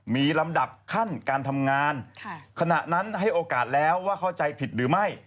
มีลำดับขั้นการทำงานขณะนั้นให้โอกาสแล้วว่าเข้าใจผิดหรือไม่